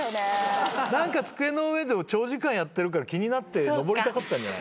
何か机の上で長時間やってるから気になって上りたかったんじゃないの？